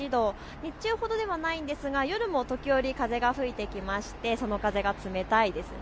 日中ほどではないんですが夜も時折風が吹いてきましてその風が冷たいですね。